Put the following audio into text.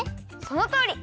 そのとおり！